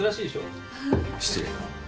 失礼。